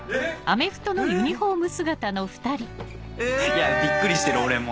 いやびっくりしてる俺も。